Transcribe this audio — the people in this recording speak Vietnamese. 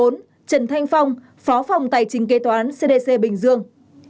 bốn trần thanh phong phó phòng tài chính kế toán cdc bình dương